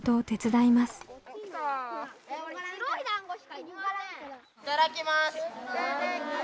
いただきます。